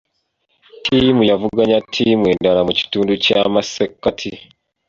Ttiimu yavuganya ttiimu endala mu kitundu ky'amasekkati.